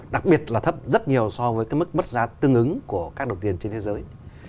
đặc biệt là thấp rất nhiều so với cái mức mất giá tương ứng của các đồng tiền trên thế giới